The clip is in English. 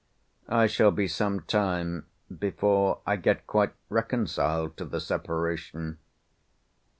I shall be some time before I get quite reconciled to the separation.